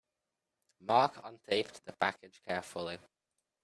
Mark untaped the package carefully.